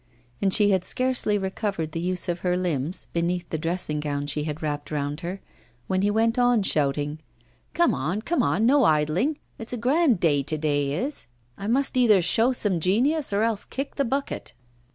And she had scarcely recovered the use of her limbs, beneath the dressing gown she had wrapped round her, when he went on shouting: 'Come on, come on, no idling! It's a grand day to day is! I must either show some genius or else kick the bucket.